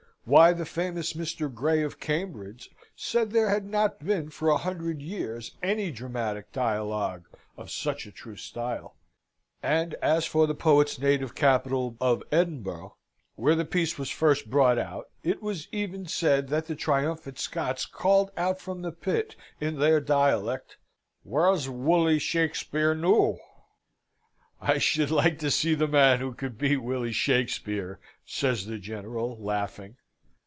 Why, the famous Mr. Gray, of Cambridge, said there had not been for a hundred years any dramatic dialogue of such a true style; and as for the poet's native capital of Edinburgh, where the piece was first brought out, it was even said that the triumphant Scots called out from the pit (in their dialect), "Where's Wully Shakspeare noo?" "I should like to see the man who could beat Willy Shakspeare?" says the General, laughing.